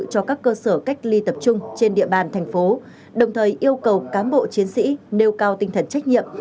cho các cơ sở cách ly tập trung trên địa bàn tp hcm đồng thời yêu cầu cám bộ chiến sĩ nêu cao tinh thần trách nhiệm